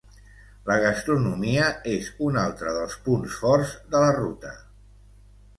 La gastronomia és un altre dels punts forts de la ruta.